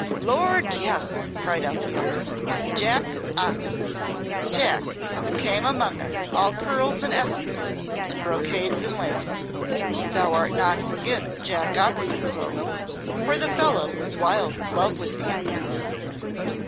"Lord, yes," cried out the other; "Jack Oxon! Jack, who came among us all curls and essences and brocades and lace. Thou'st not forgot Jack Oxon, Clo, for the fellow was wild in love with thee."